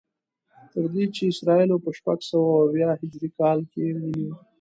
تر دې چې اسرائیلو په شپږسوه او اویا هجري کال کې ونیو.